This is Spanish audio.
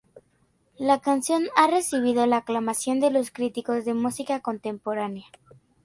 La canción ha recibido la aclamación de los críticos de música contemporánea.